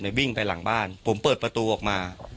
วิ่งไปหลังบ้านผมเปิดประตูออกมา